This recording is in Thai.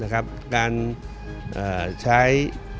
การใช้